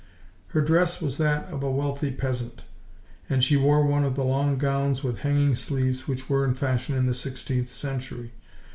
Her dress was that of a wealthy peasant; and she wore one of the long gowns with hanging sleeves which were in fashion in the sixteenth century.